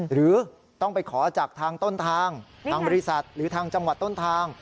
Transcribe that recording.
หรือต้องไปขอจากทางต้นทางทางบริษัทหรือทางจังหวัดต้นทาง